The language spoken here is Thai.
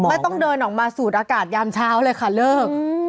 ไม่ต้องเดินออกมาสูดอากาศยามเช้าเลยค่ะเลิก